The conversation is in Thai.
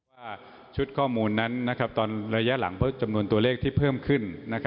ว่าชุดข้อมูลนั้นตอนระยะหลังเพราะจำนวนตัวเลขที่เพิ่มขึ้น